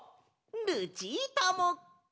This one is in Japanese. ルチータも！